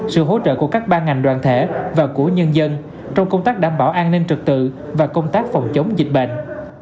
sự hỗ trợ của các ban ngành đoàn thể và của nhân dân trong công tác đảm bảo an ninh trực tự và công tác phòng chống dịch bệnh